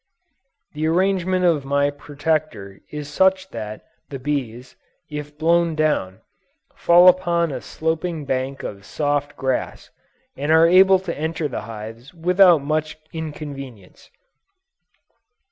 The arrangement of my Protector is such that the bees, if blown down, fall upon a sloping bank of soft grass, and are able to enter the hives without much inconvenience.